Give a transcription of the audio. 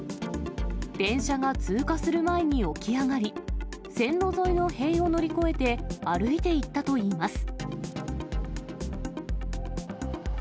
電車が通過する前に起き上がり、線路沿いの塀を乗り越えて、歩いていったといいます。